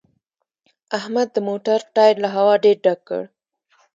احمد د موټر ټایر له هوا ډېر ډک کړ